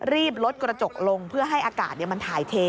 รีบลดกระจกลงเพื่อให้อากาศมันถ่ายเท